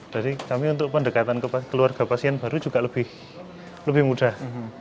jadi kami untuk pendekatan keluarga pasien baru juga lebih mudah